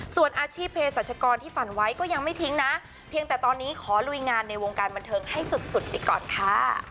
ส่วนอาชีพเพศรัชกรที่ฝันไว้ก็ยังไม่ทิ้งนะเพียงแต่ตอนนี้ขอลุยงานในวงการบันเทิงให้สุดไปก่อนค่ะ